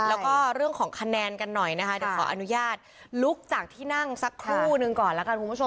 แล้วก็เรื่องของคะแนนกันหน่อยนะคะเดี๋ยวขออนุญาตลุกจากที่นั่งสักครู่หนึ่งก่อนแล้วกันคุณผู้ชม